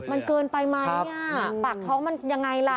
มันเกินไปไหมอ่ะปากท้องมันยังไงล่ะ